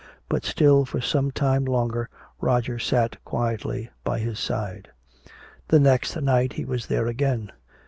But still for some time longer Roger sat quietly by his side. The next night he was there again.